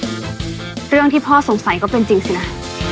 เรื่องที่พ่อสงสัยก็เป็นจริงสินะ